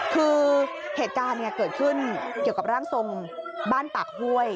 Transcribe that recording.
คือเหตุการณ์เกิดขึ้นเกี่ยวกับร่างทรงบ้านปากห้วย